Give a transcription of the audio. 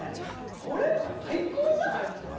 これは最高じゃないだって。